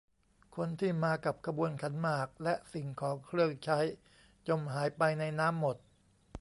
คนที่มากับขบวนขันหมาก และสิ่งของเครื่องใช้จมหายไปในน้ำหมด